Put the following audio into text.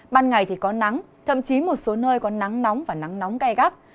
ban ngày thì có nắng thậm chí một số nơi có nắng nóng và nắng nóng gai gắt